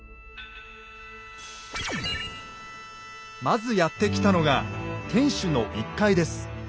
まずやって来たのが天主の１階です。